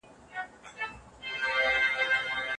سوله ییز ژوند د هر افغان اساسي حق دی.